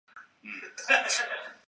褐背柳是杨柳科柳属的植物。